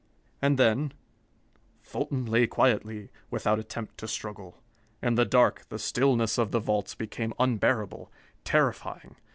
And then: "Fulton lay quietly, without attempt to struggle. In the dark, the stillness of the vaults became unbearable, terrifying.